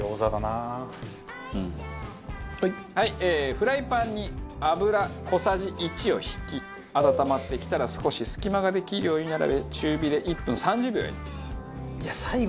フライパンに油小さじ１を引き温まってきたら少し隙間ができるように並べ中火で１分３０秒焼いていきます。